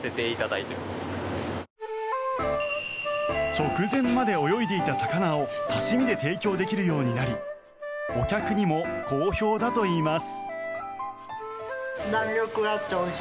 直前まで泳いでいた魚を刺し身で提供できるようになりお客にも好評だといいます。